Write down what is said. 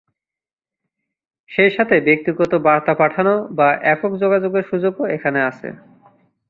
সেই সাথে ব্যক্তিগত বার্তা পাঠানো বা একক যোগাযোগের সুযোগও এখানে আছে।